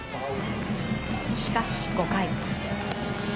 しかし、５回。